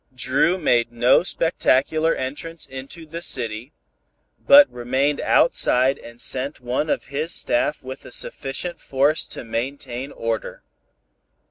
Dru made no spectacular entrance into the city, but remained outside and sent one of his staff with a sufficient force to maintain order.